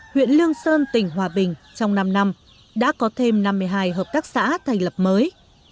huyện lương sơn tỉnh hòa bình trong năm năm đã có thêm năm mươi hai hợp tác xã thành lập mới